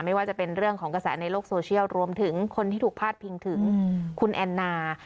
ไม่ว่าจะเป็นเรื่องของกระแสในโลกโซเชียลรวมถึงคนที่ถูกพาดพิงถึงคุณแอนนา